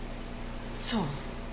そう。